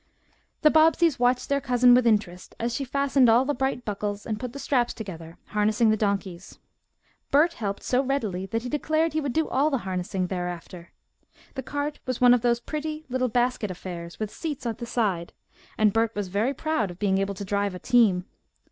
The Bobbseys watched their cousin with interest as she fastened all the bright buckles and put the straps together, harnessing the donkeys. Bert helped so readily that he declared he would do all the harnessing thereafter. The cart was one of those pretty, little basket affairs, with seats at the side, and Bert was very proud of being able to drive a team.